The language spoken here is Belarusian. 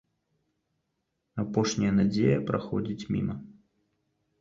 Апошняя надзея праходзіць міма.